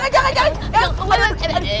jangan jangan jangan